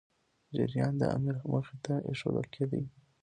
جریان د امیر مخي ته ایښودل کېدی.